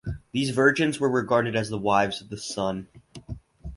These virgins were regarded as the wives of the Sun.